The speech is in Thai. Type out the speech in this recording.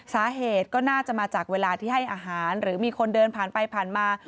สาเหตุก็น่าจะมาจากเวลาที่ให้อาหารหรือมีคนเดินผ่านไปผ่านมา